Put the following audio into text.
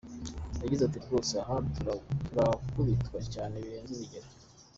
Yagize ati “Rwose aha turakubitwa cyane birenze urugero.